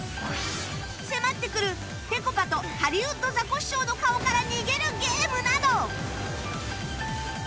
迫ってくるぺこぱとハリウッドザコシショウの顔から逃げるゲームなど